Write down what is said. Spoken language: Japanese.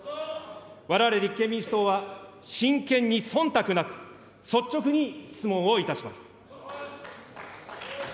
われわれ立憲民主党は真剣にそんたくなく、率直に質問をいたします。